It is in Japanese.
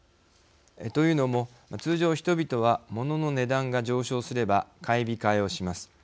というのも、通常人々はモノの値段が上昇すれば買い控えをします。